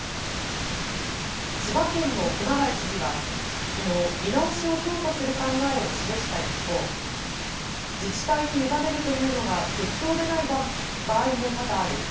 千葉県の熊谷知事はきのう見直しを評価する考えを示した一方、自治体に委ねるというのが適当でない場合も多々ある。